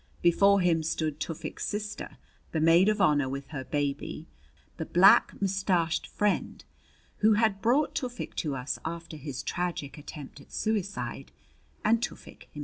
Before him stood Tufik's sister, the maid of honor with her baby, the black mustached friend who had brought Tufik to us after his tragic attempt at suicide, and Tufik himself.